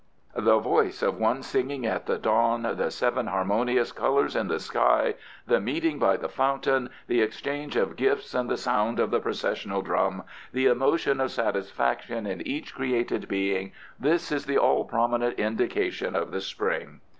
The voice of one singing at the dawn; The seven harmonious colours in the sky; The meeting by the fountain; The exchange of gifts, and the sound of the processional drum; The emotion of satisfaction in each created being; This is the all prominent indication of the Spring.